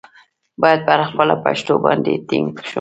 باید پر خپله پښتو باندې ټینګ شم.